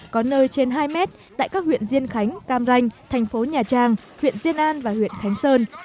có nơi trên hai mét tại các huyện diên khánh cam ranh thành phố nhà trang huyện diên an và huyện khánh sơn